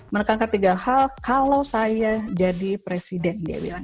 menekankan tiga hal kalau saya jadi presiden